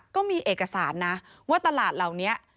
ก็มีเอกสารนะว่าตลาดเหล่านี้